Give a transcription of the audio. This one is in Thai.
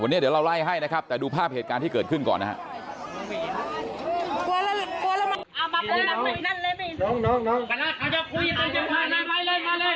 วันนี้เดี๋ยวเราไล่ให้นะครับแต่ดูภาพเหตุการณ์ที่เกิดขึ้นก่อนนะครับ